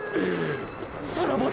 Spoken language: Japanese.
さらばだ！